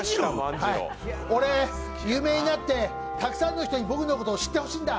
俺、有名になって、たくさんの人に僕のことを知ってほしいんだ。